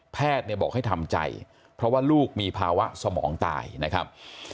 แพทย์เนี่ยบอกให้ทำใจเพราะว่าลูกมีภาวะสมองตายนะครับ